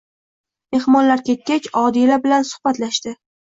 Mehmonlar ketgach, Odila bilan suhbatlashdi.